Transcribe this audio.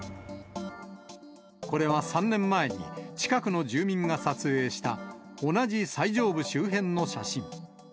これは３年前に、近くの住民が撮影した、同じ最上部周辺の写真。